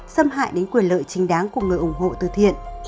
xâm hại đến quyền lợi chính đáng của người ủng hộ từ thiện